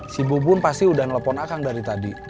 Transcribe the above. si bubun pasti udah nelfon akang dari tadi